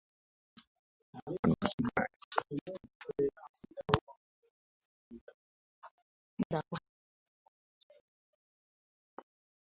Kkooti yabasalidde ekibonerezo kykusibwa mayisa.